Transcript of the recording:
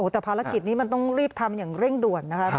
แต่ภารกิจนี้มันต้องรีบทำอย่างเร่งด่วนนะคะ